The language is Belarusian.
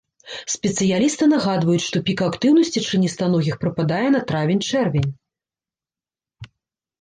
Спецыялісты нагадваюць, што пік актыўнасці членістаногіх прыпадае на травень-чэрвень.